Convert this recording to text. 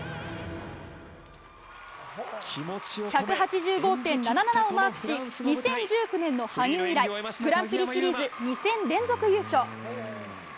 １８５．７７をマークし２０１９年の羽生以来グランプリシリーズ２戦連続優勝。